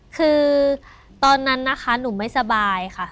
คือตอนนั้นนะคะหนูไม่สบายค่ะ